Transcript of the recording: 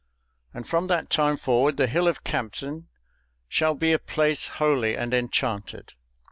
and from that time forward the Hill of Campden will be a place holy and enchanted.